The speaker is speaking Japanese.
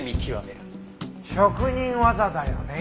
職人技だよね。